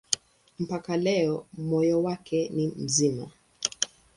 Mpaka leo moyo wake ni mzima.